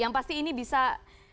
yang menarik yang sempat